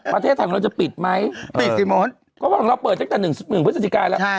ประเทศไทยของเราจะปิดไหม